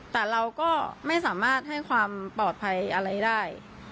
แต่เราก็ไม่สามารถให้ความปลอดภัยอะไรได้